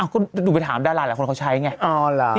ก็หนูไปถามดาราหลายคนเขาใช้ไง